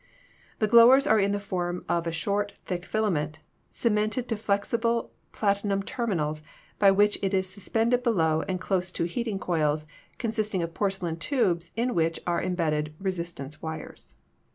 The glowers are in the form of a short, thick filament, cemented to flexible plati num terminals by which it is suspended below and close to heating coils, consisting of porcelain tubes in which are imbedded resistance wires.